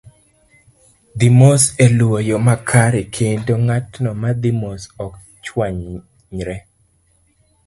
Dhi mos e luwo yo makare kendo ng'atno ma dhi mos ok chwamyre.